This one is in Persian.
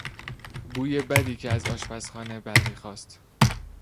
بوی بدی که از آشپزخانه برمی خاست